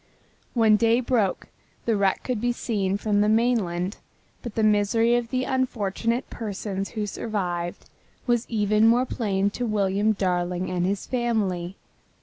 When day broke the wreck could be seen from the mainland, but the misery of the unfortunate persons who survived was even more plain to William Darling and his family.